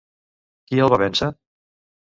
Qui el va vèncer?